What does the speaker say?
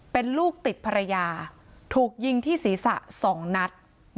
เป็นลูกติดภรรยาถูกยิงที่ศีรษะ๒นัด